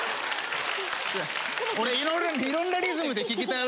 俺いろんなリズムで聞きたいわけじゃない。